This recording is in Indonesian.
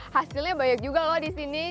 hasilnya banyak juga loh di sini